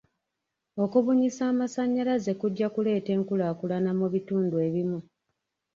Okubunyisa amasannyalaze kujja kuleeta enkulaakulana mu bitundu ebimu.